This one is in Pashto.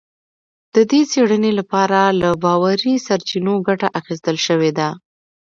د دې څېړنې لپاره له باوري سرچینو ګټه اخیستل شوې ده